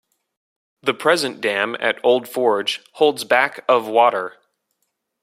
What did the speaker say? The present dam at Old Forge holds back of water.